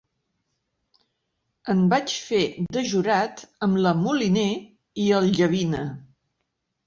En vaig fer de jurat amb la Moliner i el Llavina.